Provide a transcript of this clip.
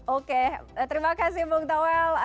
oke terima kasih bung towel